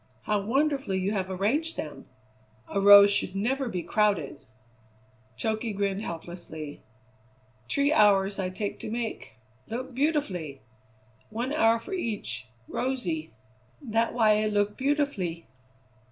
How wonderfully you have arranged them! A rose should never be crowded." Toky grinned helplessly. "Tree hours I take to make look beautifully. One hour for each rosy. That why it look beautifully."